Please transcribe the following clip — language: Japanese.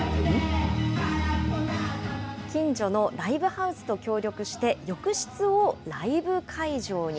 近所のライブハウスと協力して、浴室をライブ会場に。